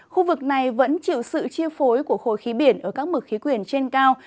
khu vực này vẫn chịu sự chia phối của khối khí biển ở các mực khí quyển trên cao